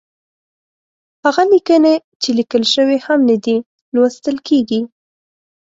هغه ليکنې چې ليکل شوې هم نه دي، لوستل کېږي.